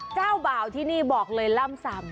เจ้าบ่าวที่นี่บอกเลยล่ำซำ